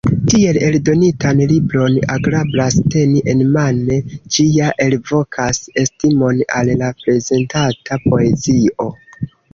Tiel eldonitan libron agrablas teni enmane, ĝi ja elvokas estimon al la prezentata poezio.